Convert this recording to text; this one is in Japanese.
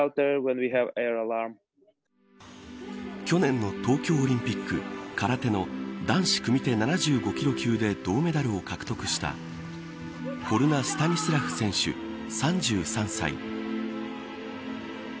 去年の東京オリンピック空手の男子組手７５キロ級で銅メダルを獲得したホルナ・スタニスラフ選手３３歳。